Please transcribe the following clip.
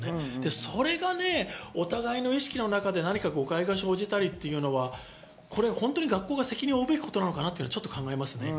それがね、互いの意識の中で誤解が生じたりというのは学校が責任を負うべきことなのかなと考えますね。